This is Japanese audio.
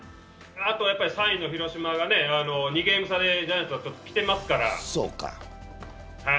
あと３位の広島が２ゲーム差でジャイアンツにきてますから。